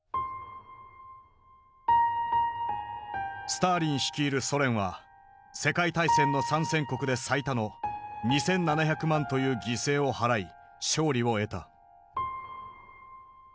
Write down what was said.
スターリン率いるソ連は世界大戦の参戦国で最多の２，７００万という犠牲を払い勝利を得た。